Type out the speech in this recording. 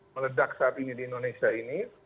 meledak saat ini di indonesia ini